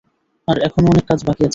আর এখনো অনেক কাজ বাকি আছে।